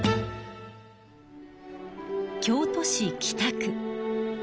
京都市北区。